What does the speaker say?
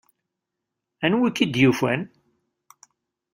Anwa i k-id-yufan?